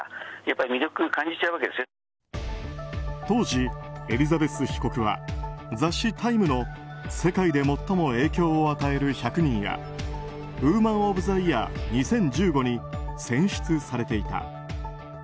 当時、エリザベス被告は雑誌「タイム」の世界で最も影響を与える１００人やウーマン・オブ・ザ・イヤー２０１５に選出されていた。